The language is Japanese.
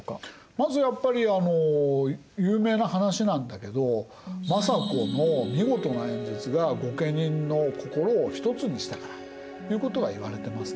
まずやっぱり有名な話なんだけど政子の見事な演説が御家人の心をひとつにしたからということはいわれていますね。